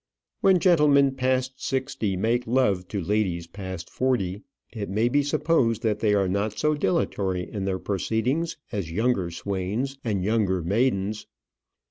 When gentlemen past sixty make love to ladies past forty, it may be supposed that they are not so dilatory in their proceedings as younger swains and younger maidens.